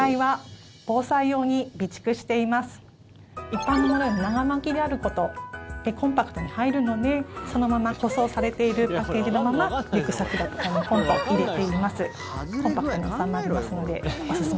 一般のものより長巻であることでコンパクトに入るのでそのまま個装されているパッケージのままリュックサックだとかにポンと入れています。